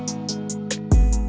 ibu mana yang tidak meleleh hati